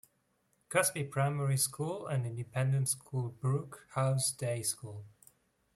Cosby Primary School and independent school Brooke House Day School.